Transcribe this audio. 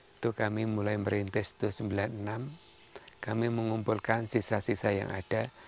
itu kami mulai merintis itu sembilan puluh enam kami mengumpulkan sisa sisa yang ada